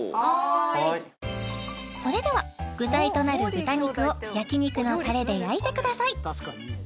はーいそれでは具材となる豚肉を焼肉のタレで焼いてください